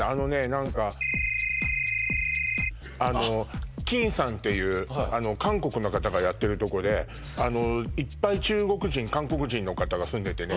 何かあのキンさんっていう韓国の方がやってるとこでいっぱい中国人韓国人の方が住んでてね